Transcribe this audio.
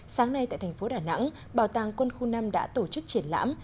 sáng nay tại thành phố đà nẵng bảo tàng quân khu năm đã tổ chức triển lãm